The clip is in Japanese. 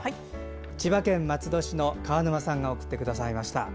千葉県松戸市の川沼さんが送ってくださいました。